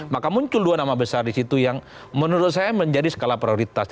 maka muncul dua nama besar di situ yang menurut saya menjadi skala prioritas